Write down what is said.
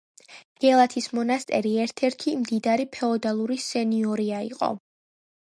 გელათის მონასტერი ერთ-ერთი მდიდარი ფეოდალური სენიორია იყო.